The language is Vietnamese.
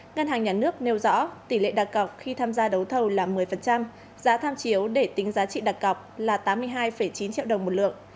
ngân hàng nhà nước nêu rõ tỷ lệ đặc cọc khi tham gia đấu thầu là một mươi giá tham chiếu để tính giá trị đặc cọc là tám mươi hai chín triệu đồng một lượng